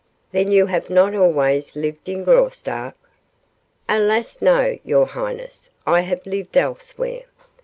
"Then you have not always lived in Graustark?" "Alas, no, your highness. I have lived elsewhere."